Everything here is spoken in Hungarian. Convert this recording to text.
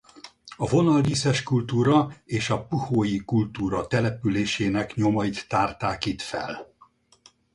A vonaldíszes kultúra és a puhói kultúra településének nyomait tárták itt fel.